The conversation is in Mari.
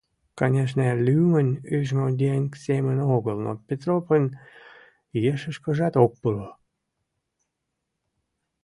Конешне, лӱмын ӱжмӧ еҥ семын огыл, но Петропын ешышкыжат ок пуро.